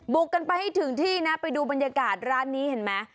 กันไปให้ถึงที่นะไปดูบรรยากาศร้านนี้เห็นไหม